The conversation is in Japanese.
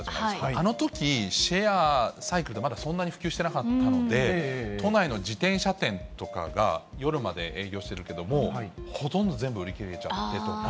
あのとき、シェアサイクルってまだそんなに普及していなかったので、都内の自転車店とかが夜まで営業してるけども、もうほとんど全部売り切れちゃってと。